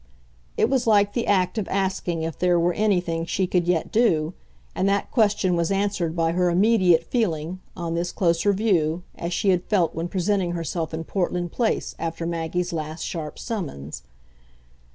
It was like the act of asking if there were anything she could yet do, and that question was answered by her immediately feeling, on this closer view, as she had felt when presenting herself in Portland Place after Maggie's last sharp summons.